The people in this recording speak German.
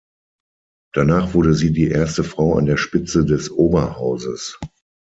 Danach wurde sie die erste Frau an der Spitze des Oberhauses.